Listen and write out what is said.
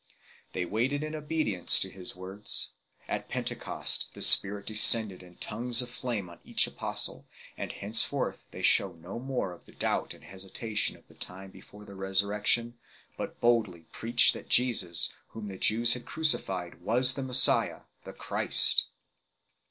They waited in obedience to His words. At Pentecost the Spirit descended in tongues of flame on each Apostle, and henceforth they shew no more of the doubt and hesita tion of the time before the Resurrection 2 , but boldly preach that Jesus, whom the Jews had crucified, was the Messiah, the Christ.